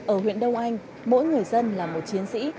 ở huyện đông anh mỗi người dân là một chiến sĩ